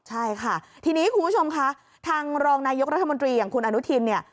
ใช่ค่ะทีนี้คุณผู้ชมคะทางรองนายกรัฐมนตรีอย่างคุณอนุทินเนี่ย